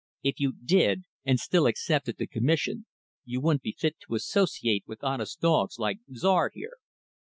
If you did, and still accepted the commission, you wouldn't be fit to associate with honest dogs like Czar, here."